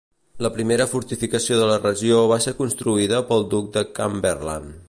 La primera fortificació de la regió va ser construïda pel Duc de Cumberland.